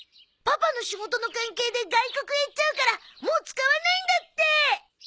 パパの仕事の関係で外国へ行っちゃうからもう使わないんだって！